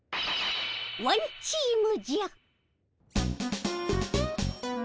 ワンチームじゃ。